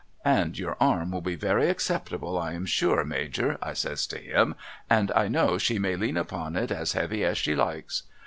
— And your arm will be very acceptable I am sure Major ' I says to him * and I know she may lean upon it as heavy as she likes.'